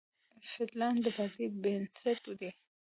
فیلډران د بازۍ بېنسټ دي.